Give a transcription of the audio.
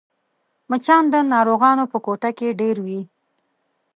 مچان د ناروغانو په کوټه کې ډېر وي